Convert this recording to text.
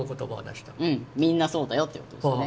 みんなそうだよっていうことですね。